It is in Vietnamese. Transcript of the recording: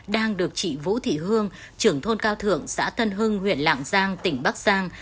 đang được chị vũ thị hương trưởng thôn cao thượng xã tân hưng huyện lạng giang tỉnh bắc giang